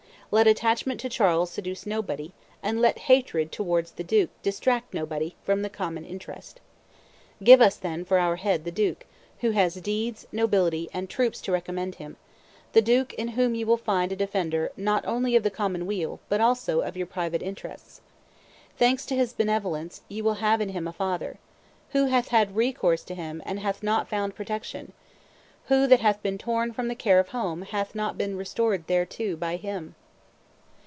Let attachment to Charles seduce nobody, and let hatred towards the duke distract nobody, from the common interest. ... Give us then, for our head, the duke, who has deeds, nobility, and troops to recommend him; the duke, in whom ye will find a defender not only of the common weal, but also of your private interests. Thanks to his benevolence, ye will have in him a father. Who hath had recourse to him and hath not found protection? Who, that hath been torn from the care of home, hath not been restored thereto by him?